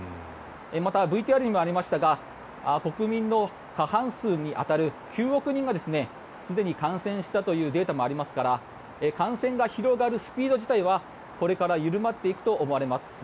また、ＶＴＲにもありましたが国民の過半数に当たる９億人がすでに感染したというデータもありますから感染が広がるスピード自体はこれから緩まっていくと思われます。